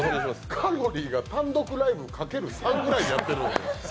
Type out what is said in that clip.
カロリーが単独ライブ×３ぐらいやってる。